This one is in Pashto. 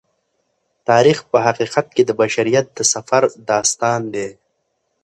تاریخ په حقیقت کې د بشریت د سفر داستان دی.